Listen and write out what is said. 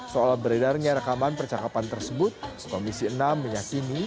soal beredarnya rekaman percakapan tersebut komisi enam meyakini